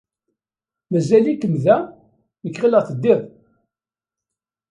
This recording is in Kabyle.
Mazal-ikem da? Nekk ɣileɣ teddid.